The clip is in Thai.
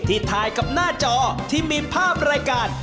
ถ่ายกับหน้าจอที่มีภาพรายการ